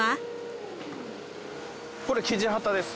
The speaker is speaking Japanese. これキジハタです。